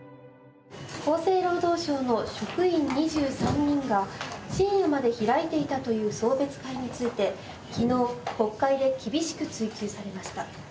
「厚生労働省の職員２３人が深夜まで開いていたという送別会について昨日国会で厳しく追及されました」